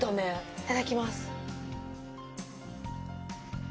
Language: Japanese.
いただきます。